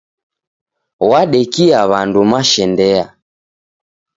Wadekia w'andu mashendea?